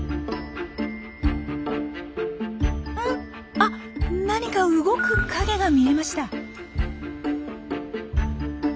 あ何か動く影が見えました。